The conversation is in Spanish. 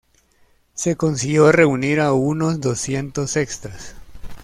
Se consiguió reunir a unos doscientos extras.